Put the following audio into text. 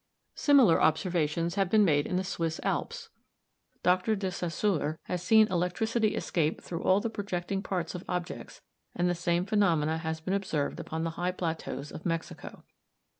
Similar observations have been made in the Swiss Alps. Dr. De Saussure has seen electricity escape through all the projecting parts of objects, and the same phenomena have been observed upon the high plateaus of Mexico.